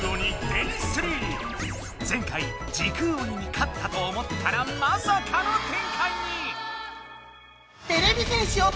前回時空鬼に勝ったと思ったらまさかのてんかいに！